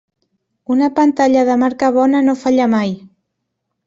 Una pantalla de marca bona no falla mai.